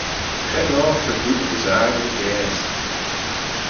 Cre'n oyr ta dooyt as aggle gaase?